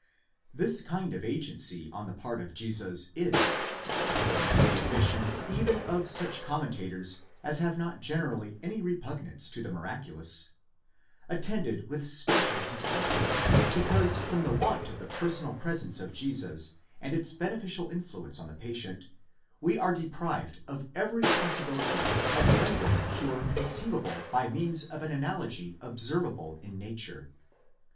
This kind of agency on the part of Jesus is, according to the admission even of such commentators as have not generally any repugnance to the miraculous, attended with special difficulty, because from the want of the per sonal presence of Jesus, and its beneficial influence on the patient, we are deprived of every possibility of rendering the cure conceivable by means of an analogy observable in nature.!